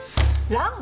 ラン？